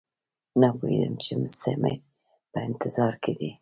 نه پوهېدم چې څه مې په انتظار کې دي